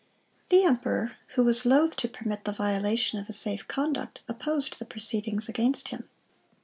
The emperor, who was loath to permit the violation of a safe conduct, opposed the proceedings against him.